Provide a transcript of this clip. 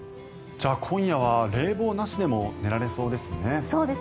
今夜は冷房なしでも寝られそうですね。